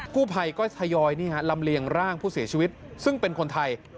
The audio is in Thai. กู้ภัยก็ทยอยลำเลียงร่างผู้เสียชีวิตซึ่งเป็นคนไทย